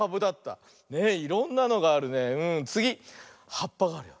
はっぱがあるよ。